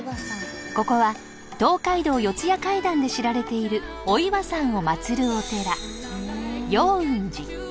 ［ここは『東海道四谷怪談』で知られているお岩さんを祭るお寺］